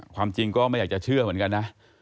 ความจริงก็ไม่อยากจะเชื่อเหมือนกันนะ